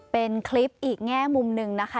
เป็นคลิปอีกแง่มุมหนึ่งนะคะ